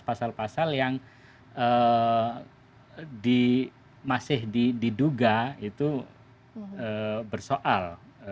pasal pasal yang masih diduga itu bersoal